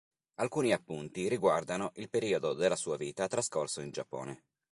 Alcuni appunti riguardano il periodo della sua vita trascorso in Giappone.